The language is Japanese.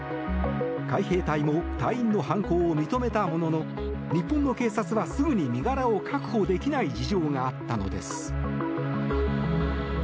海兵隊も隊員の犯行を認めたものの日本の警察はすぐに身柄を確保できない事情があったのです。